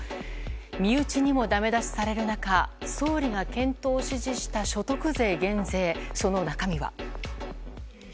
身内にもだめ出しされる中総理が検討を指示した所得税減税、その中身は。